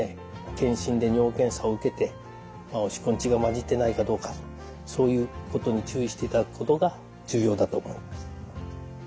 健診で尿検査を受けておしっこに血が混じってないかどうかそういうことに注意していただくことが重要だと思います。